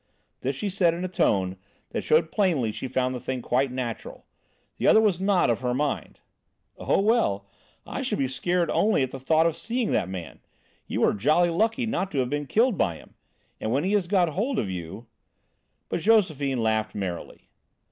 This she said in a tone that showed plainly she found the thing quite natural. The other was not of her mind. "Oh, well, I should be scared only at the thought of seeing that man. You were jolly lucky not to have been killed by him. And when he has got hold of you " But Josephine laughed merrily.